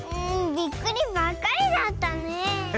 びっくりばっかりだったねえ。